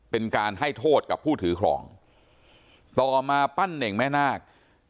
เป็นการให้โทษกับผู้ถือครองต่อมาปั้นเน่งแม่นาค